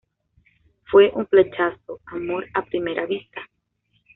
Fue un flechazo. Amor a primera vista